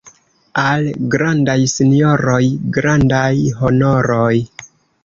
Al grandaj sinjoroj grandaj honoroj.